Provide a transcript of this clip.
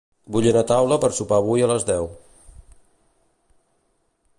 Vull una taula per sopar avui a les deu.